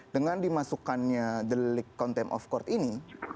dengan dimasukkannya delict contempt of court ini